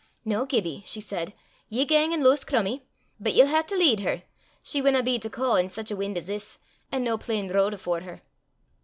"Noo, Gibbie," she said, "ye gang an' lowse Crummie. But ye'll hae to lead her. She winna be to caw in sic a win' 's this, an' no plain ro'd afore her."